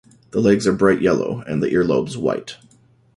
The legs are bright yellow, and the ear-lobes white.